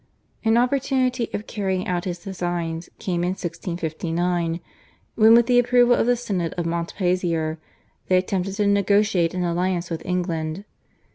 An opportunity of carrying out his designs came in 1659, when with the approval of the Synod of Montpazier they attempted to negotiate an alliance with England.